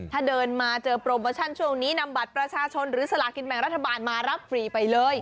ถ้าเดินมาเจอโปรโมชั่นช่วงนี้นำบัตรประชาชนหรือสลากินแบ่งรัฐบาลมารับฟรีไปเลย